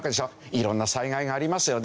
色んな災害がありますよね。